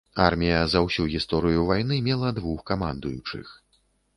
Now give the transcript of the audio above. Армія за ўсю гісторыю вайны мела двух камандуючых.